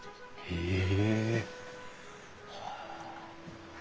へえ！